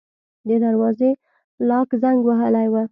د دروازې لاک زنګ وهلی و.